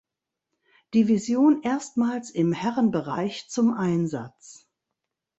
Division erstmals im Herrenbereich zum Einsatz.